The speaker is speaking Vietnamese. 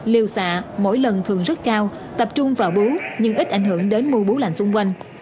liều xạ mỗi lần thường rất cao tập trung vào bú nhưng ít ảnh hưởng đến mua bú lành xung quanh